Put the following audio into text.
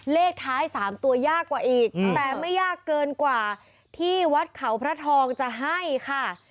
เลขท้าย๓ตัวยากกว่าอีกแต่ไม่ยากเกินกว่าที่วัดเขาพระทองจะให้ค่ะ